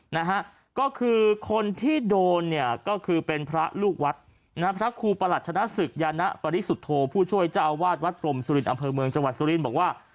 นะฮะก็คือคนที่โดนเนี่ยก็คือเป็นพระลูกวัดนะฮะพระครูประหลัชนะศึกยานะปริสุทธโธผู้ช่วยเจ้าอาวาสวัดพรมสุรินอำเภอเมืองจังหวัดสุรินทร์บอกว่า